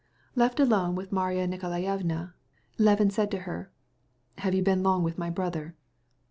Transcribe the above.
Left alone with Marya Nikolaevna, Levin turned to her. "Have you been long with my brother?"